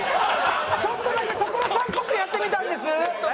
ちょっとだけ所さんっぽくやってみたんです。